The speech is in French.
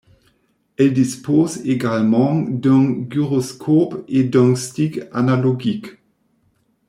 Elle dispose également d'un gyroscope et d'un stick analogique.